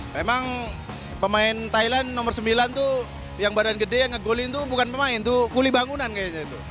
memang pemain thailand nomor sembilan tuh yang badan gede yang ngegolin itu bukan pemain tuh kuli bangunan kayaknya itu